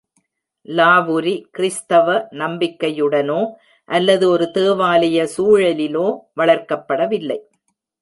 லாவுரி, கிறிஸ்தவ நம்பிக்கையுடனோ, அல்லது ஒரு தேவாலய சூழலிலோ வளர்க்கப்படவில்லை.